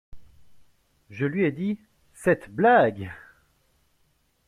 Je lui ai dit: « cette blague!